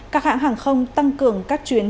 các hãng hàng không tăng cường các chuyến